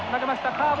カーブ